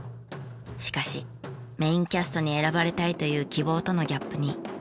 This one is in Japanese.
しかしメインキャストに選ばれたいという希望とのギャップに悩んでもいます。